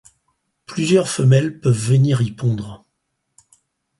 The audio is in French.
Plusieurs femelles peuvent venir y pondre.